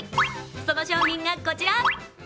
その商品がこちら。